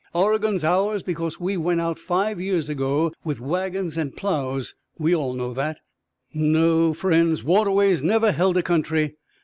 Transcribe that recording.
Oregon's ours because we went out five years ago with wagons and plows we all know that. No, friends, waterways never held a country.